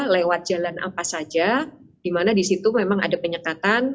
lewat jalan apa saja di mana di situ memang ada penyekatan